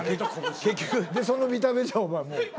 でその見た目じゃお前もう。